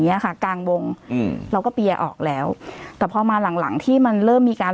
ค่ะกลางวงอืมเราก็เปียร์ออกแล้วแต่พอมาหลังหลังที่มันเริ่มมีการ